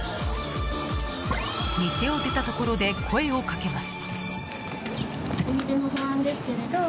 店を出たところで声をかけます。